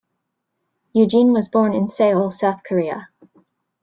Eugene was born in Seoul, South Korea.